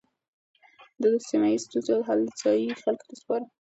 ده د سيمه ييزو ستونزو حل ځايي خلکو ته سپاره.